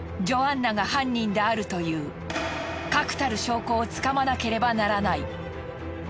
ジョアンナが犯人であるという確たる証拠をつかまなければならない。